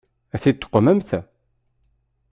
Ad t-id-tuqmemt?